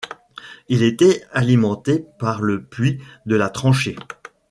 Ils étaient alimentés par le puits de la Tranché.